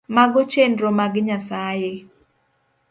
Mago chenro mag Nyasaye